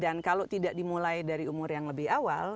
dan kalau tidak dimulai dari umur yang lebih awal